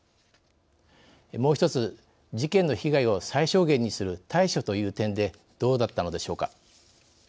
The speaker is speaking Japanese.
もう一つ、事件の被害を最小限にする対処という点でどうだったのでしょうか。